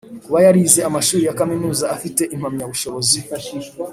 Kuba yarize amashuri yakaminuza afite impamyabushobozi